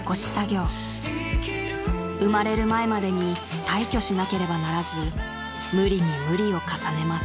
［産まれる前までに退去しなければならず無理に無理を重ねます］